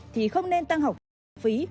thì không nên tăng học phí